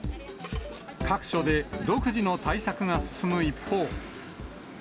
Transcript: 各所で独自の対策が進む一方。